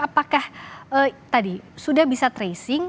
apakah tadi sudah bisa tracing